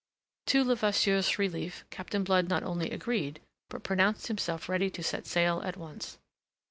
To Levasseur's relief, Captain Blood not only agreed, but pronounced himself ready to set sail at once.